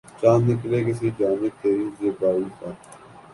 چاند نکلے کسی جانب تری زیبائی کا